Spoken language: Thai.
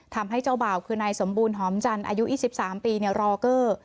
ทำให้เจ้าบ่าวคือนายสมบูรณหอมจันทร์อายุ๒๓ปีรอเกอร์